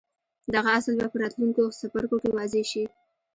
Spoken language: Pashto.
دغه اصل به په راتلونکو څپرکو کې واضح شي.